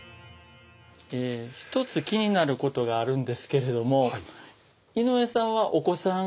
一つ気になることがあるんですけれども井上さんはいます。